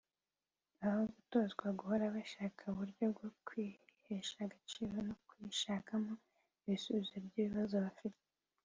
aho gutozwa guhora bashaka uburyo bwo kwihesha agaciro no kwishakamo ibisubizo by’ibibazo bafite